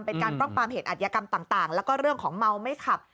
เป็นการป้องปรามเหตุอัธยกรรมต่างแล้วก็เรื่องของเมาไม่ขับ